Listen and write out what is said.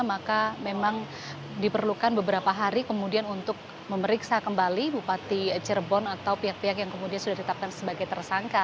maka memang diperlukan beberapa hari kemudian untuk memeriksa kembali bupati cirebon atau pihak pihak yang kemudian sudah ditetapkan sebagai tersangka